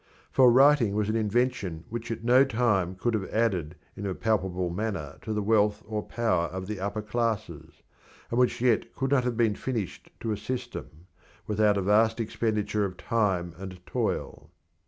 For writing was an invention which at no time could have added in a palpable manner to the wealth or power of the upper classes, and which yet could not have been finished to a system without a vast expenditure of time and toil.